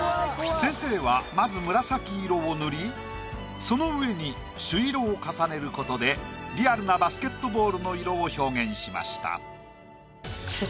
先生はまず紫色を塗りその上に朱色を重ねることでリアルなバスケットボールの色を表現しました。